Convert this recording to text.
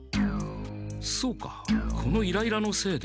そうかこのイライラのせいで。